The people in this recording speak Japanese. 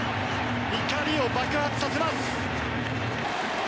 怒りを爆発させます！